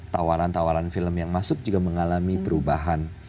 tawaran tawaran film yang masuk juga mengalami perubahan